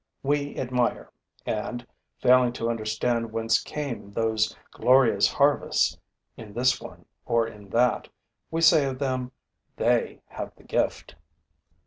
We admire; and, failing to understand whence came those glorious harvests in this one or in that, we say of them: "They have the gift."